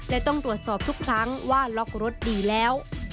และต้องตรวจสอบทุกครั้งว่าล็อกรถดีแล้ว